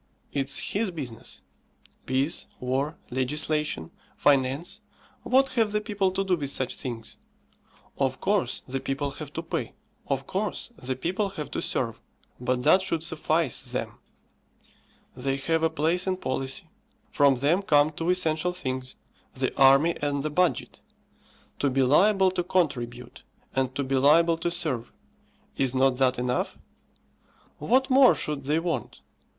It's his business. Peace, War, Legislation, Finance what have the people to do with such things? Of course the people have to pay; of course the people have to serve; but that should suffice them. They have a place in policy; from them come two essential things, the army and the budget. To be liable to contribute, and to be liable to serve; is not that enough? What more should they want?